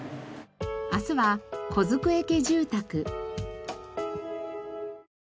明日は小机家住宅。